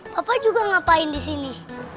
papa juga ngapain disini